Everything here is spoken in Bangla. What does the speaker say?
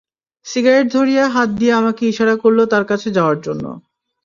সিগারেট ধরিয়ে হাত দিয়ে আমাকে ইশারা করল তার কাছে যাওয়ার জন্য।